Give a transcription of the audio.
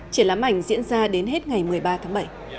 triển lãm ảnh diễn ra đến hết ngày một mươi ba tháng bảy